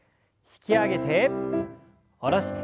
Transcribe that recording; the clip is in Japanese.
引き上げて下ろします。